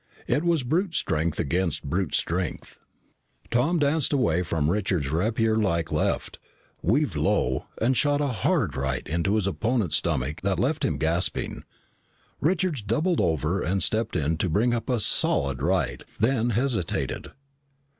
It was brute strength against brute strength. Tom danced away from Richards' rapierlike left, weaved low, and shot a hard right to his opponent's stomach that left him gasping. Richards doubled over and stepped in to bring up a solid right, then hesitated.